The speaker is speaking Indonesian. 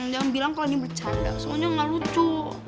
jangan bilang kalau ini bercanda soalnya gak lucu